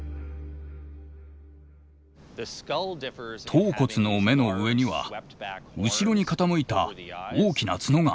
頭骨の目の上には後ろに傾いた大きな角があります。